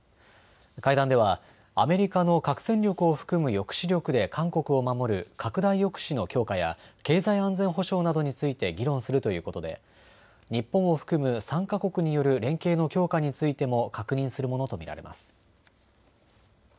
会談ではアメリカの核戦力を含む抑止力で韓国を守る拡大抑止の強化や経済安全保障などについて議論するということで日本を含む３か国による連携の強化についても確認するものと見られます。